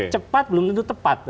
cepat belum tentu tepat